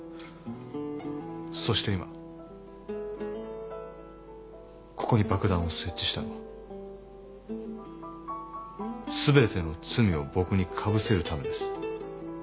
そして今ここに爆弾を設置したのはすべての罪を僕にかぶせるためです。